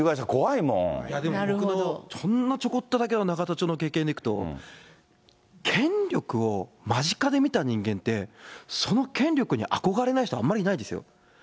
いやでも、僕、ほんのちょっとの永田町の経験でいくと、権力を間近で見た人間って、その権力に憧れない人、あんまりいないですよ。